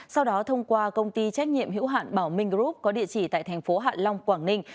sau đó thông qua công ty trách nhiệm hữu hạn bảo minh group có địa chỉ tại thành phố hạ long quảng ninh